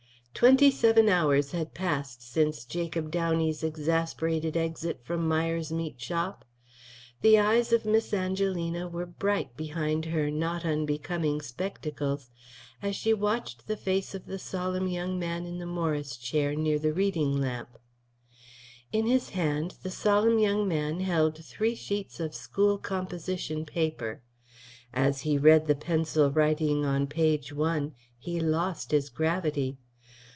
Twenty seven hours had passed since Jacob Downey's exasperated exit from Myers's Meat Shop. The eyes of Miss Angelina were bright behind her not unbecoming spectacles as she watched the face of the solemn young man in the Morris chair near the reading lamp. In his hand the solemn young man held three sheets of school composition paper. As he read the pencil writing on page one he lost his gravity.